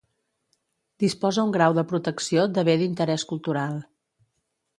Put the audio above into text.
Disposa un grau de protecció de Bé d'Interès Cultural.